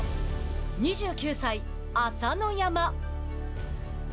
２９歳、朝乃山。